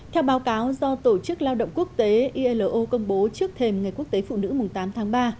theo báo cáo do tổ chức lao động quốc tế ilo công bố trước thềm ngày quốc tế phụ nữ mùng tám tháng ba